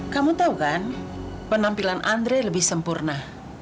kamu tahu kan penampilan andre lebih sempurna